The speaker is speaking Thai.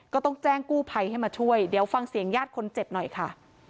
ก็ต้องแจ้งกู้ภัยให้มาช่วยเดี๋ยวฟังเสียงญาติคนเจ็บหน่อยค่ะ